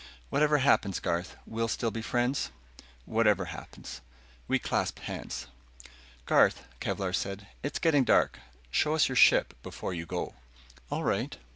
"Whatever happens, Garth, we'll still be friends?" "Whatever happens." We clasped hands. "Garth," Kelvar said, "it's getting dark. Show us your ship before you go." "All right."